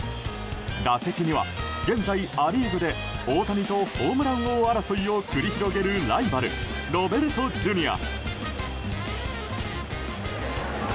打席には現在ア・リーグで大谷とホームラン王争いを繰り広げるライバルロベルトＪｒ．。